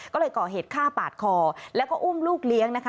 ก็เลยก่อเหตุฆ่าปาดคอแล้วก็อุ้มลูกเลี้ยงนะคะ